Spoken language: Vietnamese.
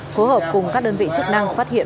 phối hợp cùng các đơn vị chức năng phát hiện